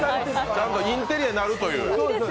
ちゃんとインテリアになるという。